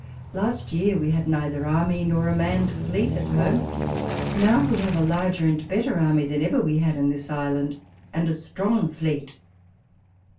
Last year, we had neither army nor a manned fleet at home. Now, we liave a larger and better army than ever we had in the island, and a strong fleet.